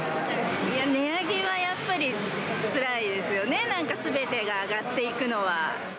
いや、値上げはやっぱりつらいですよね、なんかすべてが上がっていくのは。